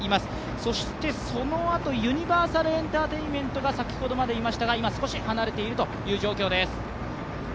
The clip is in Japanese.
そしてそのあとユニバーサルエンターテインメントが先ほどまでいましたが今、少し離れているという状況です